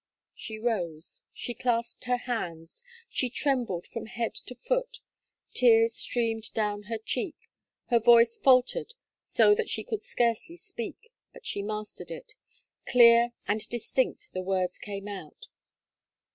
She rose, she clasped her hands, she trembled from head to foot, tears streamed down her cheek; her voice faltered so that she could scarcely speak, but she mastered it, clear and distinct the words came out.